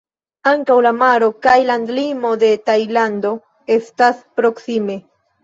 Ankaŭ la maro kaj landlimo de Tajlando estas proksime.